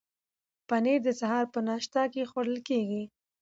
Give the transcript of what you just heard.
پنیر د سهار په ناشته کې خوړل کیږي.